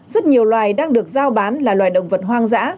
rất nhiều loài đang được giao bán là loài động vật hoang dã